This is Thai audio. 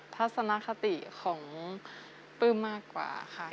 ปลืมมากกว่าค่ะ